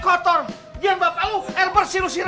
tetapi yang mereka minum langsung on treated